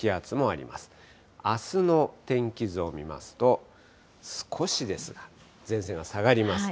あすの天気図を見ますと、少しですが、前線が下がります。